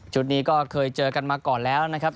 นี้ก็เคยเจอกันมาก่อนแล้วนะครับ